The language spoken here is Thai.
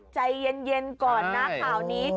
ใจเย็นก่อนนะข่าวนี้